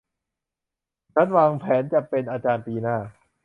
ฉันวางแผนจะเป็นอาจารย์ปีหน้า